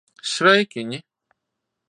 Sveikiņi!